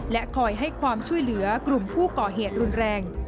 และคอยให้ความช่วยเหลือกลุ่มผู้ก่อเหตุรุนแรง